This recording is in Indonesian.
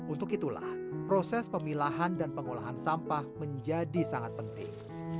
untuk itulah proses pemilahan dan pengolahan sampah menjadi sangat penting